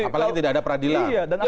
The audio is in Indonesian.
apalagi tidak ada peradilan